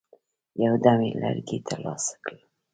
یو دم یې لرګي ته لاس کړ.